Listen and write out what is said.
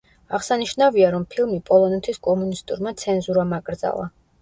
აღსანიშნავია, რომ ფილმი პოლონეთის კომუნისტურმა ცენზურამ აკრძალა.